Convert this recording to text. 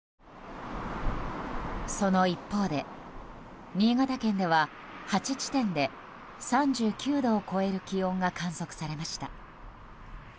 その一方で、新潟県では８地点で３９度を超える気温が観測されました。